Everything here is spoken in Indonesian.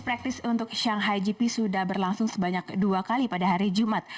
praktis untuk shanghai gp sudah berlangsung sebanyak dua kali pada hari jumat